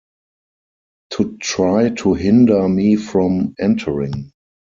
To try to hinder me from entering.